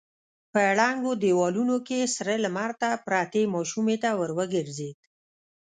په ړنګو دېوالونو کې سره لمر ته پرتې ماشومې ته ور وګرځېد.